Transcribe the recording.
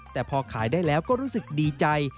แต่พอขายได้แล้วก็รู้สึกดีใจ